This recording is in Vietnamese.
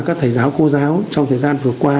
các thầy giáo cô giáo trong thời gian vừa qua